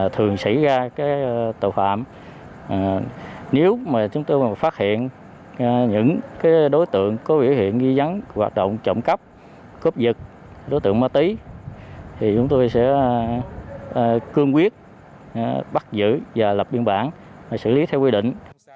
thường xảy ra tội phạm nếu chúng tôi phát hiện những đối tượng có biểu hiện ghi nhắn hoạt động trọng cấp cốp dịch đối tượng ma túy thì chúng tôi sẽ cương quyết bắt giữ và lập biên bản xử lý theo quy định